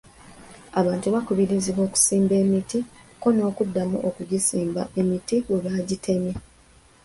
Abantu bakubirizibwa okusimba emiti kko n'akuddamu okugisimba emiti we bagitemye.